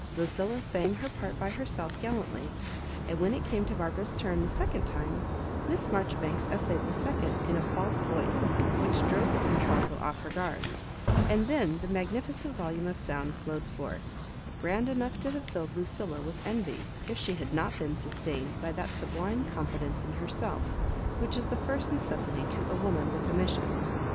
Lucilla sang her part by herself gal lantly ; and when it came to Barbara's turn the second time, Mi8s Marjoribanks essayed the second in a false voice, which drove the contralto off her guard ; and then the magnifloent volume of sound flowed forth, grand enough to have filled Lucilla with envy if she had not been sustained by that sub lime confidence in herself which is the first neces sity to a woman with a mission.